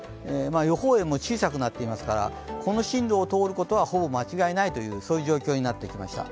予報円も小さくなっていますから、この進路を通ることはほぼ間違いないという状況になってきました。